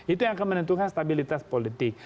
itu yang akan menentukan stabilitas politik